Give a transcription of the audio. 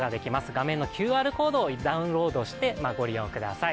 画面のＱＲコードをダウンロードしてご利用ください。